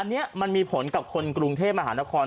อันนี้มันมีผลกับคนกรุงเทพมหานคร